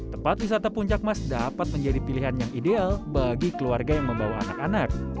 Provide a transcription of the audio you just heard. tempat wisata puncak mas dapat menjadi pilihan yang ideal bagi keluarga yang membawa anak anak